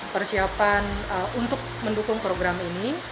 persiapan untuk mendukung program ini